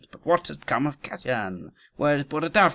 "But what has become of Kasyan? Where is Borodavka?